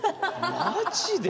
マジで？